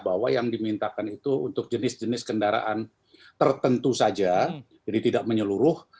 bahwa yang dimintakan itu untuk jenis jenis kendaraan tertentu saja jadi tidak menyeluruh